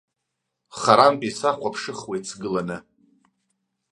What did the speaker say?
Харантәи сахәаԥшыхуеит сгыланы.